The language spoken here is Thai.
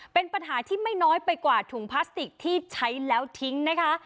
เป็นปัญหาที่ไม่น้อยไปกว่าถุงพลาสติกที่ใช้แล้วทิ้งนะคะ